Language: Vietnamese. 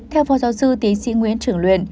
theo phó giáo sư tiến sĩ nguyễn trường luyện